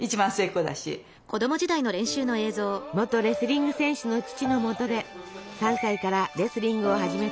元レスリング選手の父のもとで３歳からレスリングを始めた沙保里さん。